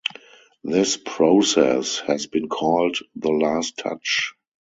This process has been called the "Last touch".